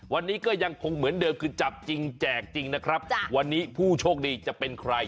วันนี้ก็ยังคงเหมือนเดิมคือจับจริงแจกจริงนะครับวันนี้ผู้โชคดีจะเป็นใคร